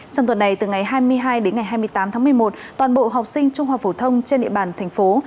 trong tuần này từ ngày hai mươi hai đến ngày hai mươi tám tháng một mươi một toàn bộ học sinh trung học phổ thông trên địa bàn thành phố